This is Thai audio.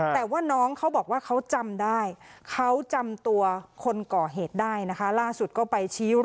แต่ว่าน้องเขาบอกว่าเขาจำได้เขาจำตัวคนก่อเหตุได้นะคะ